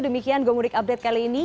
demikian gomudik update kali ini